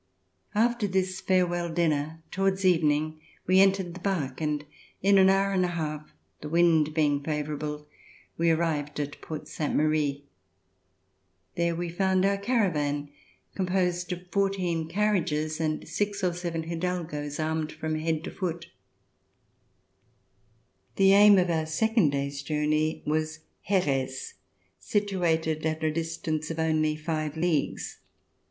After this farewell dinner, towards evening, we entered the bark, and in an hour and a half, the wind being favor able, we arrived at Port Sainte Marie. There we found our caravan, composed of fourteen carriages and six or seven hidalgos^ armed from head to foot. RECOLLECTIONS OF THE REVOLUTION The aim of our second day's journey was Xeres, situated at a distance of only five leagues.